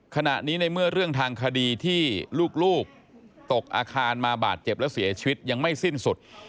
ขณะนี้ในเมื่อเรื่องทางคดีที่ลูกตกอาคารมาบาดเจ็บและเสียชีวิตยังไม่สิ้นสุด